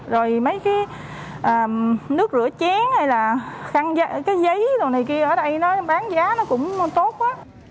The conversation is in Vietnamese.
rồi mấy cái nước rửa chén hay là cái giấy ở đây bán giá nó cũng tốt quá